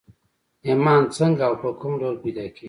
ايمان څنګه او په کوم ډول پيدا کېږي؟